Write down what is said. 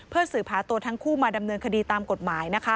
เพื่อสืบหาตัวทั้งคู่มาดำเนินคดีตามกฎหมายนะคะ